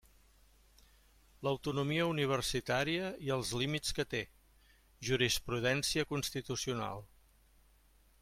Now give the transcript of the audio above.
L'autonomia universitària i els límits que té: jurisprudència constitucional.